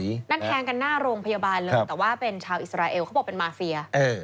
นั่นแทงกันหน้าโรงพยาบาลเลยแต่ว่าเป็นชาวอิสราเอลเขาบอกเป็นมาเฟีย